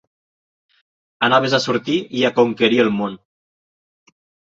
Anaves a sortir i a conquerir el món!